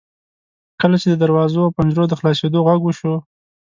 کله چې د دروازو او پنجرو د خلاصیدو غږ وشو.